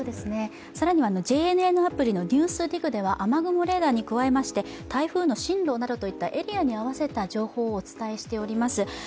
更にはＪＮＮのアプリのＮＥＷＳＤＩＧでは雨雲レーダーに加えまして台風の進路などといったエリアに合わせた情報をお伝えしています。